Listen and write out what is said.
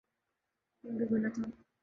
یہ ان کا گناہ تھا۔